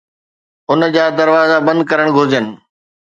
ان جا دروازا بند ڪرڻ گھرجن